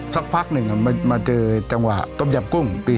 สักพักหนึ่งมาเจอจังหวะต้มยำกุ้งปี๒๕